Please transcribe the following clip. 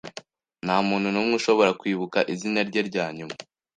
Ntamuntu numwe ushobora kwibuka izina rye ryanyuma.